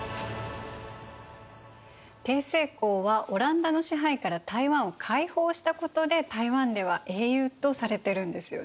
成功はオランダの支配から台湾を解放したことで台湾では英雄とされてるんですよね。